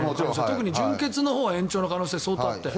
特に準決のほうは延長の可能性、相当あったよね。